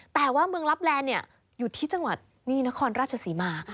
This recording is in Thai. แต่ว่าเมืองลับแลนด์อยู่ที่จังหวัดนี่นครราชศรีมา